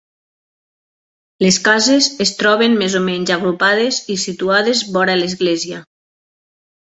Les cases es troben més o menys agrupades i situades vora l'església.